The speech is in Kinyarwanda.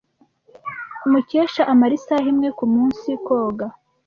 Mukesha amara isaha imwe kumunsi koga.